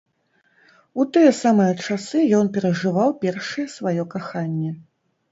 У тыя самыя часы ён перажываў першае сваё каханне.